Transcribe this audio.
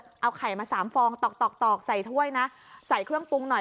ก็เอาไข่มา๓ฟองตอกใส่ถ้วยนะใส่เครื่องปรุ๊งหน่อย